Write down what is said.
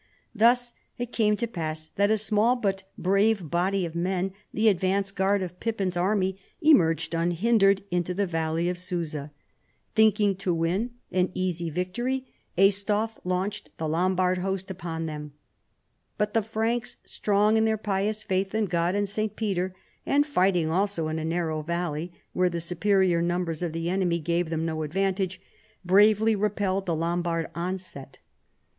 Thus it came to pass that a small but brave body of men, the advance guard of Pippin's army, emerged unhindered into the valley of Susa. Thinking to win an easy 98 CHARLEMAGNE. victory Aistulf launched the Lombard host upon them. But the Franks, strong in their pious faitli in God and St. Peter, and fighting also in a narrow valley, where the superior numbers of the enemy gave them no advantage, bravely repelled the Lombard onset.